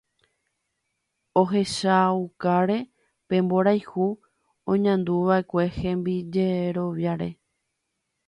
ohechaukáre pe mborayhu oñanduva'ekue hembijeroviáre